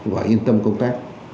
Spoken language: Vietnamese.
và yên tâm công tác